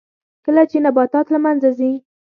کله چې نباتات له منځه ځي